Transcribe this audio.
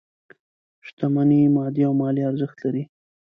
شتمني مادي او مالي ارزښت لري.